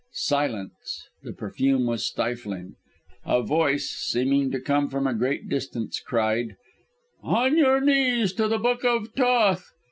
Silence the perfume was stifling.... A voice, seeming to come from a great distance, cried: "On your knees to the Book of Thoth!